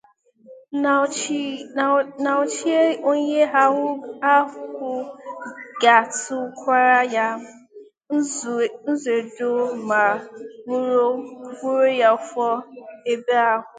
nnaochie onye ahụ ga-atụkwara ya nzu na èdò ma gọọrọ ya ọfọ ebe ahụ